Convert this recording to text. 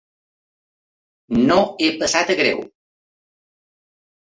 No he passat a greu.